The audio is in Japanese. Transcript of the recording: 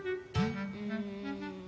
うん。